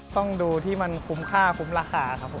ต้องดูที่มันคุ้มค่าคุ้มราคาครับผม